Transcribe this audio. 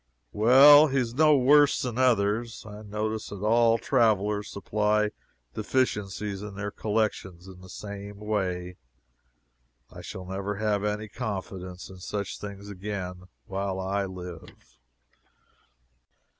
Well, he is no worse than others. I notice that all travelers supply deficiencies in their collections in the same way. I shall never have any confidence in such things again while I live.